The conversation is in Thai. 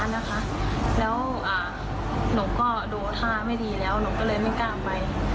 แล้วหนูก็ดูท่าไม่ดีแล้วหนูก็เลยไม่กล้าไป